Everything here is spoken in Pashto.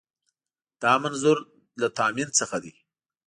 دا منظور له تامین څخه دی.